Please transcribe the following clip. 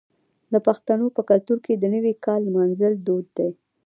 د پښتنو په کلتور کې د نوي کال لمانځل دود دی.